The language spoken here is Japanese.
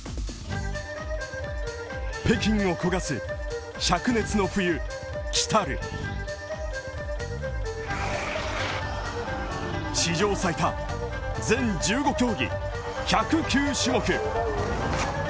北京を焦がす、灼熱の冬来たる史上最多、全１５競技１０９種目。